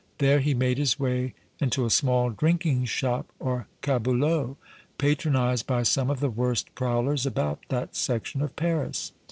There he made his way into a small drinking shop or caboulot, patronized by some of the worst prowlers about that section of Paris.